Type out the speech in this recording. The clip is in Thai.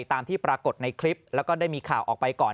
ตามที่ปรากฏในคลิปแล้วก็ได้มีข่าวออกไปก่อน